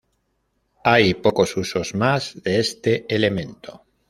Hay pocos usos más de este elemento.